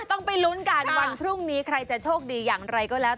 ต้องไปลุ้นกันวันพรุ่งนี้ใครจะโชคดีอย่างไรก็แล้ว